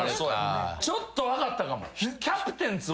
ちょっと分かったかも。